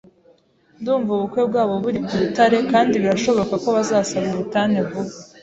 Ndumva ubukwe bwabo buri ku rutare kandi birashoboka ko bazasaba ubutane vuba.